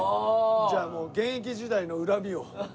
じゃあもう現役時代の恨みを。